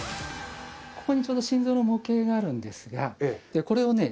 ここにちょうど心臓の模型があるんですがこれをね